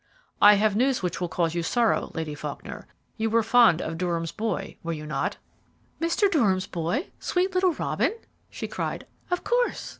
"I have news which will cause you sorrow, Lady Faulkner. You were fond of Durham's boy, were you not?" "Mr. Durham's boy sweet little Robin?" she cried. "Of course.